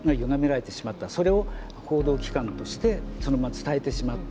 それを報道機関としてそのまま伝えてしまった。